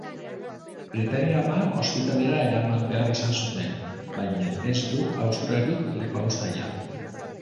Britainiarra ospitalera eraman behar izan zuten, baina ez du hausturarik lepauztaia.